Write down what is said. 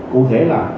cụ thể là